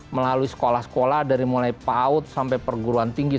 melalui sekolah sekolah dari mulai paut sampai perguruan tinggi